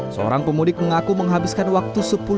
seorang pemudik mengaku menghabiskan waktu sepuluh jam